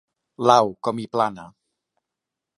L'au, com hi plana—.